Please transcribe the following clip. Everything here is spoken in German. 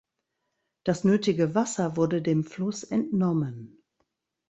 Das nötige Wasser wurde dem Fluss entnommen.